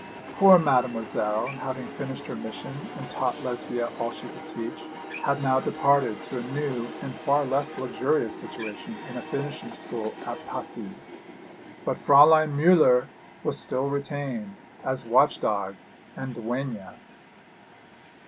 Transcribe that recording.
Poor Mademoiselle, having finished her mission and taught Lesbia all she could teach, had now departed to a new and far less luxurious situation in a finishing school at Passy; but Fräulein Müller was still retained, as watch dog and duenna.